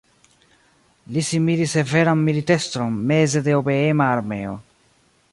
Li similis severan militestron meze de obeema armeo.